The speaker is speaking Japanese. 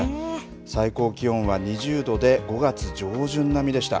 最高気温は２０度で、５月上旬並みでした。